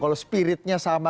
kalau spiritnya sama